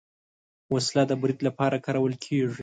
وسله د برید لپاره کارول کېږي